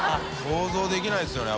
想像できないですよね